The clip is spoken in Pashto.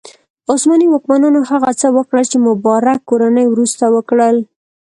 عثماني واکمنانو هغه څه وکړل چې مبارک کورنۍ وروسته وکړل.